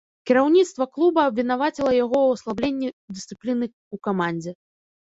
Кіраўніцтва клуба абвінаваціла яго ў аслабленні дысцыпліны ў камандзе.